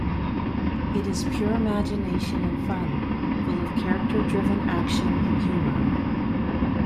It is pure imagination and fun, full of character driven action and humor.